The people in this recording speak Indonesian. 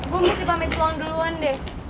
gue mesti pamit uang duluan deh